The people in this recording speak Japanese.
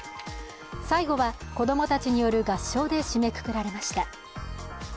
最後は、子供たちによる合唱で締めくくられました。